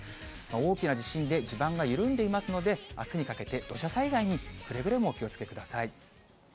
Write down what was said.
大きな地震で地盤が緩んでいますので、あすにかけて、土砂災害にくれぐれもお気をつけください。